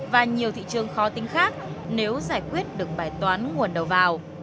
và nhiều thị trường khó tính khác nếu giải quyết được bài toán nguồn đầu vào